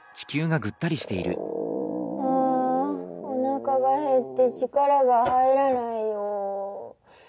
あおなかがへって力が入らないよ。